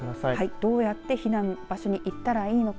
どうやって避難場所に行ったらいいのか。